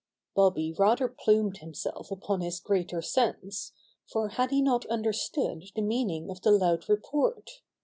Bobby rather plumed himself upon his greater sense, for had he not understood the meaning of the loud report?